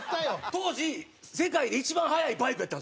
当時世界で一番速いバイクやったんですよこれが。